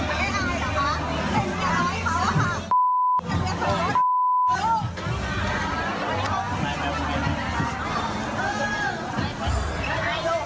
เดี๋ยวเราจะไปดูคลิปก่อนงั้นไปดูคลิปก่อน